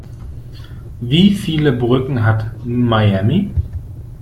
Wie viele Brücken hat Miami?